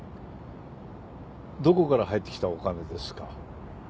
どこから入ってきたお金ですか？